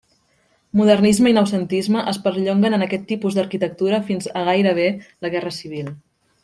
Modernisme i Noucentisme es perllonguen en aquest tipus d'arquitectura fins a gairebé la guerra civil.